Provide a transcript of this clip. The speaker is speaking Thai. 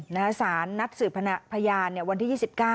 นัฐสารนัทสืบพนักพยานวันที่๒๙